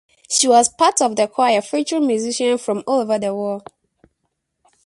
She was part of the choir featuring musicians from all over the world.